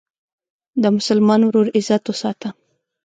د مسلمان ورور عزت وساته.